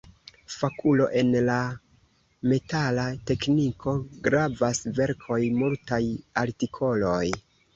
Fakulo en la metala tekniko; gravaj verkoj, multaj artikoloj.